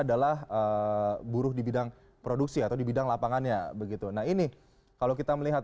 adalah buruh di bidang produksi atau di bidang lapangannya begitu nah ini kalau kita melihat